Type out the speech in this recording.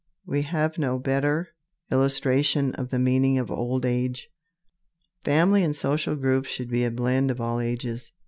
We have no better illustration of the meaning of old age. Family and social groups should be a blend of all ages.